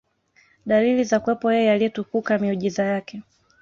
dalili za kuwepo Yeye Aliyetukuka miujiza Yake